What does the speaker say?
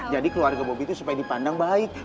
jadi keluarga bobi tuh supaya dipandang baik